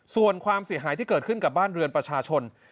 ส่วนความเสียหายที่เกิดขึ้นกับบ้านเรือนประชาชน